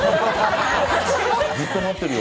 ずっと待ってるよ